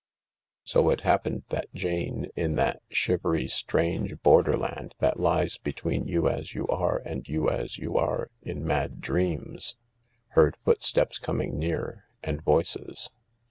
So it happened that Jane in that shivery strange border land that lies between you as you are and you as you are in mad dreams, heard footsteps coming near, and voices.